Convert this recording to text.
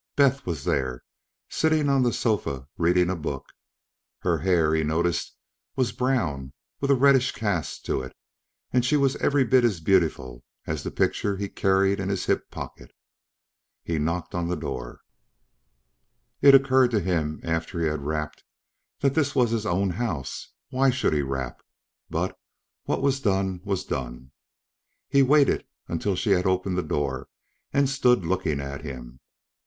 Beth was there, sitting on the sofa reading a book. Her hair, he noticed, was brown with a reddish cast to it and she was every bit as beautiful as the picture he carried in his hip pocket. He knocked on the door. It occurred to him, after he had rapped, that this was his own house. Why should he rap? But what was done, was done. He waited until she had opened the door and stood looking at him.